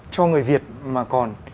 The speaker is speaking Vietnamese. cho người việt mà còn